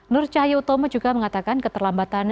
nur cahyau utomo juga mengatakan keterlambatan ctms